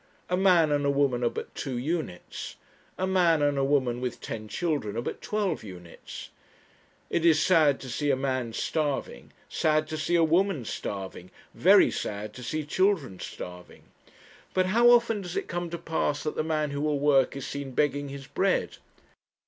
A man and a woman are but two units. A man and a woman with ten children are but twelve units. It is sad to see a man starving sad to see a woman starving very sad to see children starving. But how often does it come to pass that the man who will work is seen begging his bread?